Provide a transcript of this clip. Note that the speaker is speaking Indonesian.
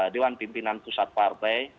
dewan pimpinan pusat partai